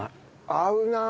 合うなあ。